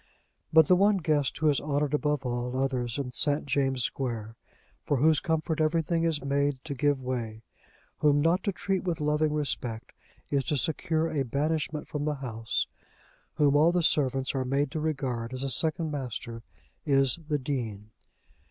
But the one guest who is honoured above all others in St. James' Square, for whose comfort everything is made to give way, whom not to treat with loving respect is to secure a banishment from the house, whom all the servants are made to regard as a second master, is the Dean.